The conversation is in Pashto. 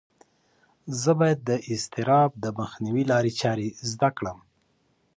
زه باید د اضطراب د مخنیوي لارې چارې زده کړم.